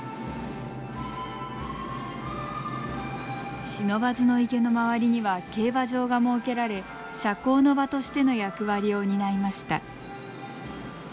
不忍池の周りには競馬場が設けられ社交の場としての役割を担いました。